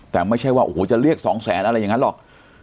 แต่ไม่ใช่ว่าโอ้โหจะเรียกสองแสนอะไรอย่างนั้นหรอก